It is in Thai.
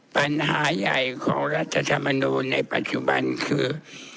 ปัญหาใหญ่ของรัฐธรรมนูลในปัจจุบันคือ